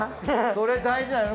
それ大事だよ。